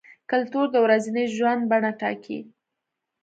کلتور د ورځني ژوند بڼه ټاکي.